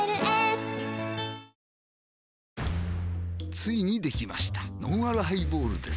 ついにできましたのんあるハイボールです